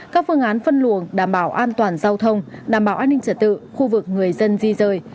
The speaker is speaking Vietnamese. các phương án phân luồng đảm bảo an toàn giao thông đảm bảo an ninh trật tự khu vực người dân di rời